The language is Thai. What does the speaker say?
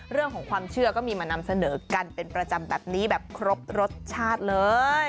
เรื่องของความเชื่อก็มีมานำเสนอกันเป็นประจำแบบนี้แบบครบรสชาติเลย